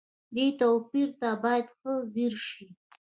دې توپير ته بايد ښه ځير شئ.